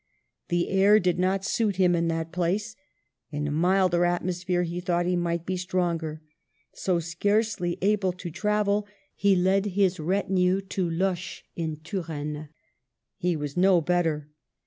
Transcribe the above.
The air did not suit him in that place. In a milder atmosphere he thought he might be stronger; so, scarcely able to travel, he led his retinue to Loches in Touraine. He was no better.